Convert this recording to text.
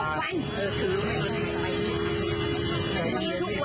มันก็เลี่ยวส่วน